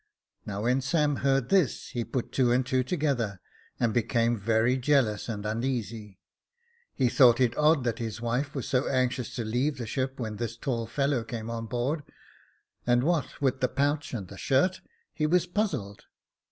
Now when Sam heard this, he put two and two together, and became very jealous and uneasy : he thought it odd that his wife was so anxious to leave the ship when this tall fellow came on board ; and what with the pouch and the shirt, he was puzzled.